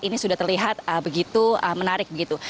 ini sudah terlihat begitu menarik begitu